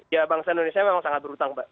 ya bangsa indonesia memang sangat berhutang mbak